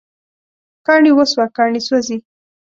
کاڼي وسوه، کاڼي سوزی